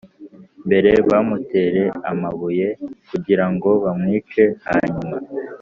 mbere bamutere amabuye kugira ngo bamwice hanyuma